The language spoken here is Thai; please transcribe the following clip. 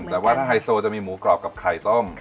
แต่ว่าถ้าไฮโซจะมีหมูกรอบกับไข่ต้ม